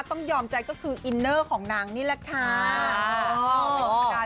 ต้องยอมใจก็คืออินเนอร์ของนางนี่แหละค่ะ